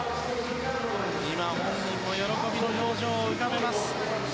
本人も喜びの表情を浮かべました。